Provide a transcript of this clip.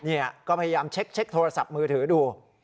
นี่ก็พยายามเช็คโทรศัพท์มือถือดู